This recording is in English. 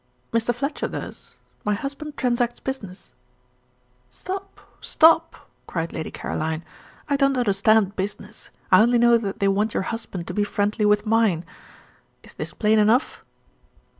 "Mr. Fletcher does. My husband transacts business " "Stop! stop!" cried Lady Caroline. "I don't understand business; I only know that they want your husband to be friendly with mine. Is this plain enough?"